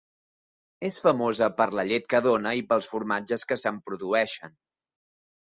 És famosa per la llet que dóna i pels formatges que se'n produeixen.